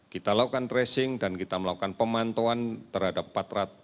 kita lakukan tracing dan kita melakukan pemantauan terhadap empat ratus